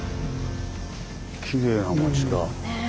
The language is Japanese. きれいな町だ。ねえ。